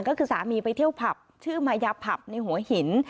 ก็คือสามีไปเที่ยวผับชื่อมายาผับในหัวหิน